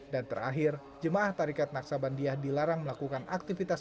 dan terakhir jemaah tarikat naksa bandiah dilarang melakukan aktivitas